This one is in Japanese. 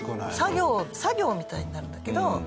作業みたいになるんだけど。